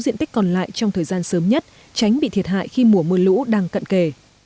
diện tích còn lại trong thời gian sớm nhất tránh bị thiệt hại khi mùa mưa lũ đang cận kề